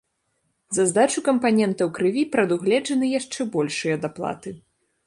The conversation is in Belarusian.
За здачу кампанентаў крыві прадугледжаны яшчэ большыя даплаты.